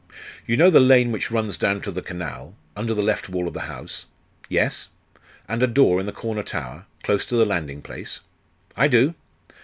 'You know the lane which runs down to the canal, under the left wall of the house?' 'Yes.' 'And a door in the corner tower, close to the landing place?' 'I do.